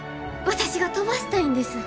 私が飛ばしたいんです。